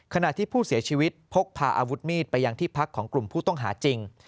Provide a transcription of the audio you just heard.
ขณะที่ผู้เสียชีวิตพกพาอาวุธมีดไปยังที่พักของกลุ่มผู้ต้องหาจริง